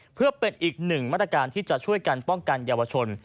เพื่อเป็นอีกหนึ่งมาตรการที่จะช่วยกันป้องกันเยาวชน